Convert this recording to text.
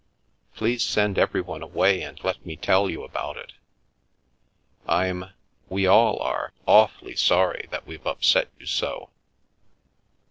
" Please send everyone away and let me tell you about it. I'm — we all are — awfully sorry that we've upset you so."